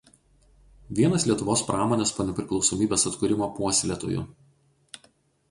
Vienas Lietuvos pramonės po Nepriklausomybės atkūrimo puoselėtojų.